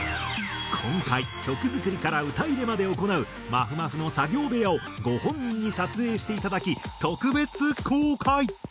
今回曲作りから歌入れまで行うまふまふの作業部屋をご本人に撮影していただき特別公開！